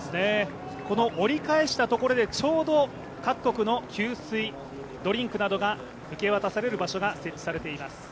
この折り返したところでちょうど各国の給水ドリンクなどが受け渡される場所が設置されています。